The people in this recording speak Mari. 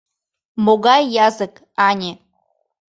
Могай язык, ане.